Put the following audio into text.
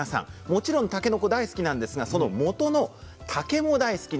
もちろんたけのこ大好きなんですがそのもとの竹も大好き。